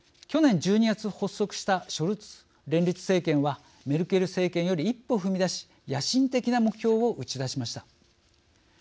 去年１２月発足したショルツ連立政権はメルケル政権より一歩踏み出し野心的な目標を打ち出しました。